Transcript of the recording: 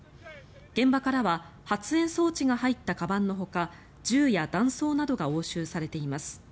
現場からは発煙装置が入ったかばんのほか銃や弾倉などが押収されています。